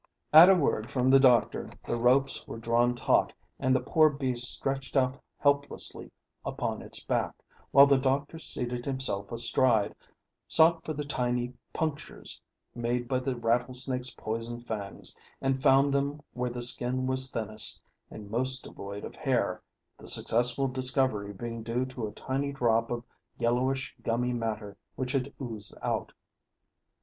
At a word from the doctor the ropes were drawn taut and the poor beast stretched out helplessly upon its back, while the doctor seated himself astride, sought for the tiny punctures made by the rattlesnake's poison fangs, and found them where the skin was thinnest and most devoid of hair, the successful discovery being due to a tiny drop of yellowish gummy matter which had oozed out.